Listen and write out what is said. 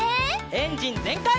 エンジンぜんかい！